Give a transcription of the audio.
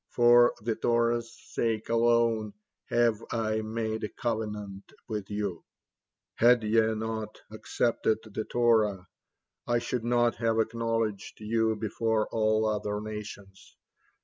For the Torah's sake alone have I made a covenant with you; had ye not accepted the Torah, I should not have acknowledged you before all other nations.